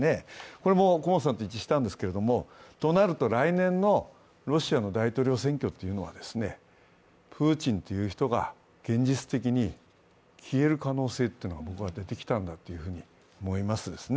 これも古本さんと一致したんですけれども、となると来年のロシアの大統領選挙はプーチンという人が現実的に消える可能性というのは僕は出てきたんだというふうに思いますね。